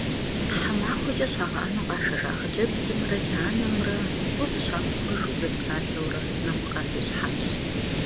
Тхьэмахуэкӏэ щагъэӏэну къашэжа хъыджэбзымрэ и анэмрэ гу зыщамыхуэжу зэпсалъэурэ нэху къатещхьащ.